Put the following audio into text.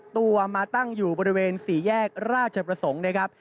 ตัวมาตั้งอยู่บริเวณ๔แยกราชประสงค์นะครับ